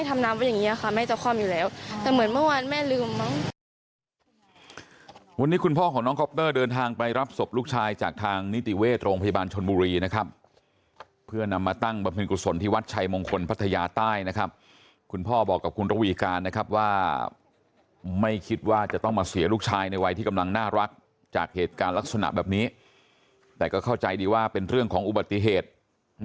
แต่เหมือนเมื่อวานแม่ลืม